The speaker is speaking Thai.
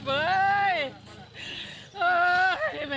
รับแบบเบ้ย